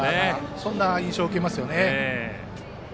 そんな印象を受けますよね。